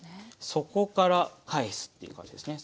底から返すっていう感じですね。